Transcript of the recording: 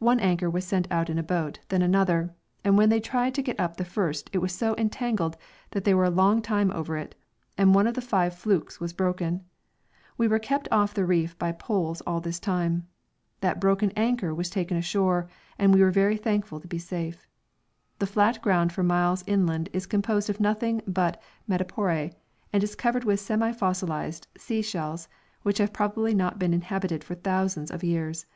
One anchor was sent out in a boat and then another, and when they tried to get up the first it was so entangled that they were a long time over it, and one of the five flukes was broken. We were kept off the reef by poles all this time. That broken anchor was then taken ashore, and we were very thankful to be safe. The flat ground for miles inland is composed of nothing but madrepore, and is covered with semi fossilised sea shells, which have probably not been inhabited for thousands of years.